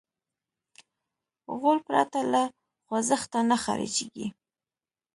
غول پرته له خوځښته نه خارجېږي.